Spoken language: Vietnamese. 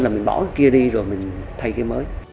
là mình bỏ cái kia đi rồi mình thay cái mới